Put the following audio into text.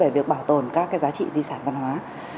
và tồn các giá trị di sản văn hóa